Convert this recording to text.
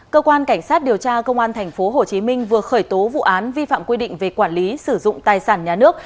cơ quan cảnh sát điều tra công an tp hcm vừa khởi tố vụ án vi phạm quy định về quản lý sử dụng tài sản nhà nước